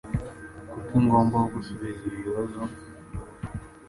Kuki ngomba gusubiza ibi bibazo?